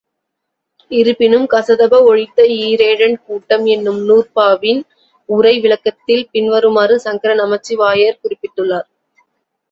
இருப்பினும், கசதப ஒழித்த ஈரேழன் கூட்டம் என்னும் நூற்பாவின் உரை விளக்கத்தில் பின்வருமாறு சங்கர நமச்சிவாயர் குறிப்பிட்டுள்ளார்.